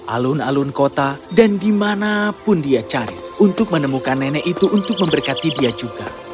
alun alun kota dan dimanapun dia cari untuk menemukan nenek itu untuk memberkati dia juga